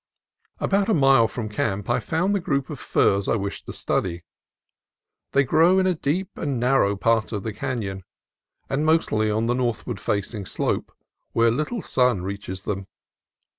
About a mile from camp I found the group of firs I wished to study. They grow in a deep and narrow part of the canon, and mostly on the northward facing slope, where little sun reaches them.